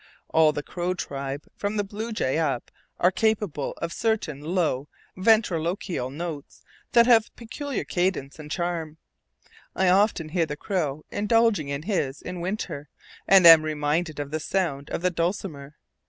All the crow tribe, from the blue jay up, are capable of certain low ventriloquial notes that have peculiar cadence and charm. I often hear the crow indulging in his in winter, and am reminded of the sound of the dulcimer.